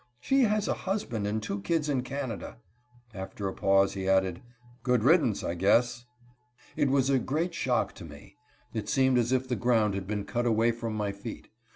She has a husband and two kids in Canada." After a pause he added: "Good riddance, I guess." It was a great shock to me. It seemed as if the ground had been cut away from my feet.